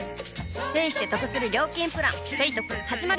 ペイしてトクする料金プラン「ペイトク」始まる！